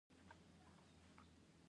افغانستان کې ژبې د خلکو د خوښې وړ ځای دی.